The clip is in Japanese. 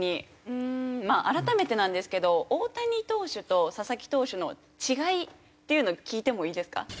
まあ改めてなんですけど大谷投手と佐々木投手の違いっていうのを聞いてもいいですか？